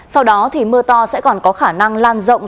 sau đó thì mưa to sẽ còn có khả năng lan rộng